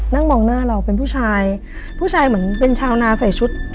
นั่งมองหน้าเราเป็นผู้ชายผู้ชายเหมือนเป็นชาวนาใส่ชุด